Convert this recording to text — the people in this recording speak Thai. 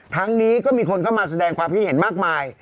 ทั้งนี้ก็มีคนเข้ามาแสดงความคิดเห็นมากมาย